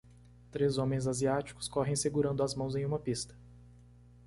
Três homens asiáticos correm segurando as mãos em uma pista.